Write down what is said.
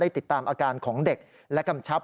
ติดตามอาการของเด็กและกำชับ